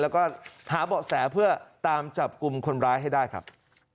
แล้วก็หาเบาะแสเพื่อตามจับกลุ่มคนร้ายให้ได้ครับ